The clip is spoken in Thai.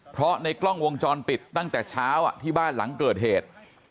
เพราะในกล้องวงจรปิดตั้งแต่เช้าที่บ้านหลังเกิดเหตุ